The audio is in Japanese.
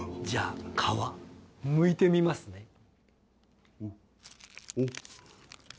じゃあ皮むいてみますね。